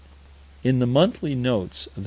In the _Monthly Notices of the R.